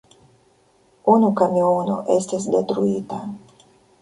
Unu kamiono estis detruita.